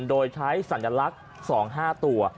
โดยใช้สัญลักษณ์๒๕ตัว